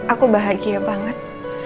aku bahagia banget